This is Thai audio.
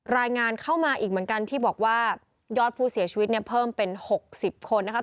รายงานเข้ามาอีกเหมือนกันที่บอกว่ายอดผู้เสียชีวิตเนี่ยเพิ่มเป็น๖๐คนนะคะ